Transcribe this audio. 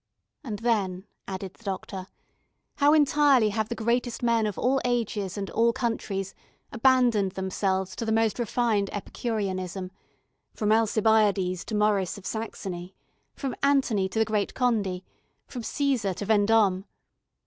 And then, added the doctor, how entirely have the greatest men of all ages and all countries abandoned themselves to the most refined epicureanism, from Alcibiades to Maurice of Saxony, from Anthony to the great Condé, from Cæsar to Vendome!